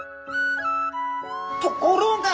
ところが！